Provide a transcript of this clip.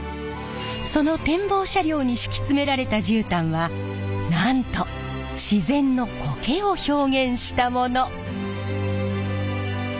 その展望車両に敷き詰められた絨毯はなんと自然のこけを表現したもの。